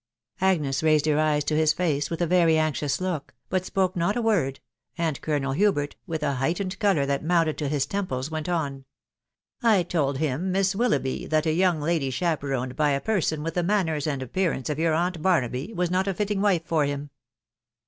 *'. Agnes raised her eyes to his face with a very anxious look, but spoke not a word ; and Colonel Hubert, with a heightened colour that mounted to his temples, went on. " I told him, Miss Willoughby, that a young lady chape roned by a person with the manners and appearance of your aunt Barnaby was not a fitting wife for him